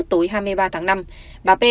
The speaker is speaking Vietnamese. tối hai mươi ba tháng năm bà p